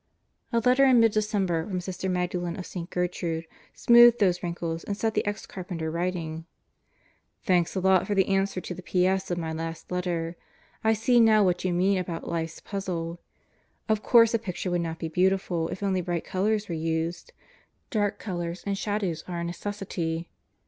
A letter in mid December from Sister Magdalen of St. Gertrude smoothed those wrinkles and set the ex carpenter writing: Thanks a lot for the answer to the P.S. of my last letter. I see now what you mean about life's puzzle. Of course a picture would not be beautiful if only bright colors were used. Dark colors and shadows are a necessity.